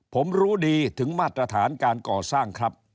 ผมรู้ดีถึงมาตรฐานการก่อสร้างครับ